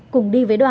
cùng đi với đoàn